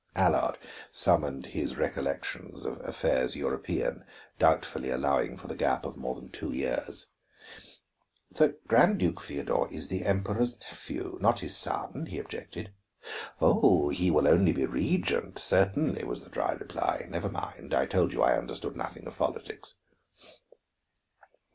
Allard summoned his recollections of affairs European, doubtfully allowing for the gap of more than two years. "The Grand Duke Feodor is the Emperor's nephew, not his son," he objected. "Oh, he will only be regent, certainly," was the dry reply. "Never mind; I told you I understood nothing of politics."